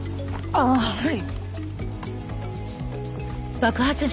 あっはい。